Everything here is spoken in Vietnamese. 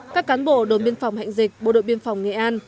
các cán bộ đồn biên phòng hạnh dịch bộ đội biên phòng nghệ an